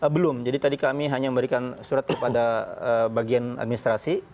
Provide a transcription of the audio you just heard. belum jadi tadi kami hanya memberikan surat kepada bagian administrasi